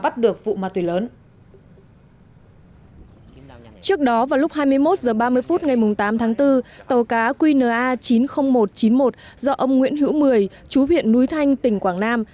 trước đó vào lúc hai mươi một h ba mươi phút ngày tám tháng bốn tàu cá qna chín mươi nghìn một trăm chín mươi một do ông nguyễn hữu mười chú huyện núi thanh tỉnh quảng nam